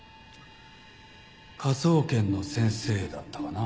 科捜研の先生だったかな？